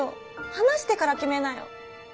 話してから決めなよ！